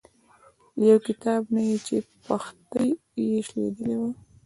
له یو کتاب نه یې چې پښتۍ یې شلیدلې وه.